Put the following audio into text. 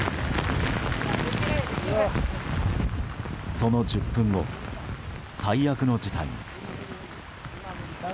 その１０分後、最悪の事態に。